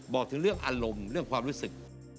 บอกถึงเรื่องอารมณ์เรื่องความรู้สึก